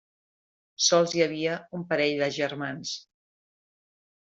Sols hi havia un parell de germans.